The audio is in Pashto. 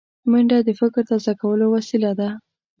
منډه د فکر تازه کولو وسیله ده